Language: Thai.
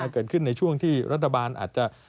เกิดขึ้นในช่วงที่รัฐบาลอาจจะ